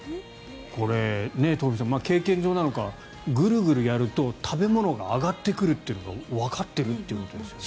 これ、東輝さん経験上なのか、ぐるぐるやると食べ物が上がってくるというのがわかっているということですね。